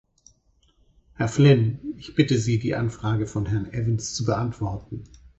Herr Flynn, ich bitte Sie, die Anfrage von Herrn Evans zu beantworten.